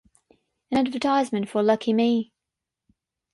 An advertisement for Lucky Me!